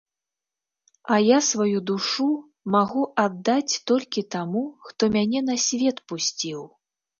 А я сваю душу магу аддаць толькі таму, хто мяне на свет пусціў.